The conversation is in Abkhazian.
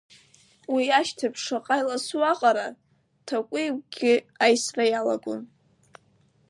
Уи ашьҭыбжь шаҟа иласу аҟара, Ҭакәи игәгьы аисра иалагон.